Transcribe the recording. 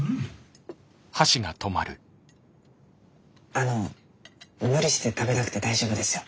あの無理して食べなくて大丈夫ですよ。